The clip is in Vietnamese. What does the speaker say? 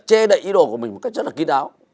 chê đậy ý đồ của mình một cách rất là kỹ đáo